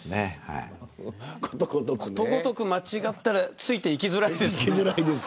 ことごとく間違ったら付いていきづらいですけど。